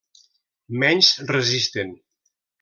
Menys resistent.